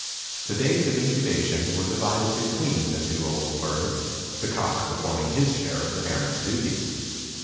The days of incubation were divided between the two old birds, the cock performing his share of the parent's duties.